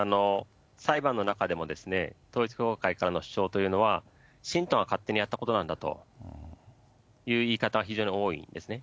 裁判の中でも、統一教会からの主張というのは、信徒が勝手にやったことなんだという言い方、非常に多いんですね。